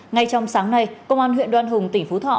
ngay trong sáng nay công an huyện đoan hùng tỉnh phú thọ